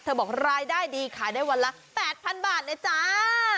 เธอบอกรายได้ดีขายได้วันละแปดพันบาทแน่จ้า